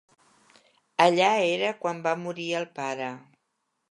Allà era quan va morir el pare.